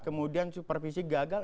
kemudian supervisi gagal